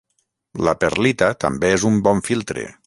La perlita també és un bon filtre.